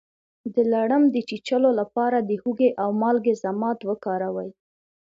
د لړم د چیچلو لپاره د هوږې او مالګې ضماد وکاروئ